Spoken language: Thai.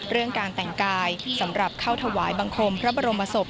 เรื่องการแต่งกายสำหรับเข้าถวายบังคมพระบรมศพ